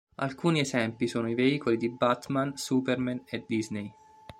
Alcuni esempi sono i veicoli di Batman, Superman e Disney.